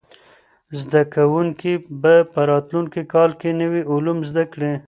زده کوونکي به په راتلونکي کال کې نوي علوم زده کوي.